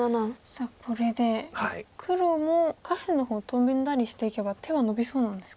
さあこれで黒も下辺の方トンだりしていけば手はのびそうなんですか？